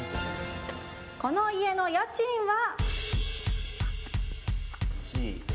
この家の家賃は。